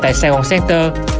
tại saigon center